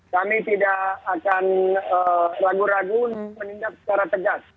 kami tidak akan ragu ragu untuk menindak secara tegas